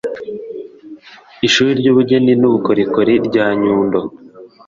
ishuri ry'ubugeni n'ubukorikori (ecole d'art) rya nyundo